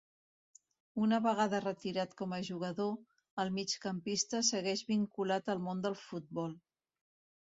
Una vegada retirat com a jugador, el migcampista segueix vinculat al món del futbol.